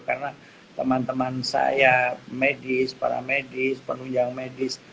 karena teman teman saya medis para medis penunjang medis